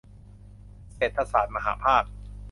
เศรษฐศาสตร์มหภาค